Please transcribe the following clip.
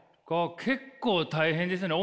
結構大変ですよね。